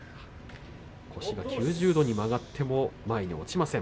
腰が９０度に曲がっても前に落ちません。